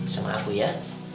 sama aku ya